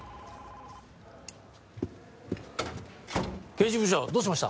刑事部長どうしました？